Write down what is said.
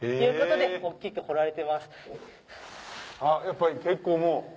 あっやっぱり結構もう。